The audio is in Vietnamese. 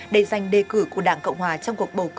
để giành đề cử của đảng cộng hòa trong cuộc bầu cử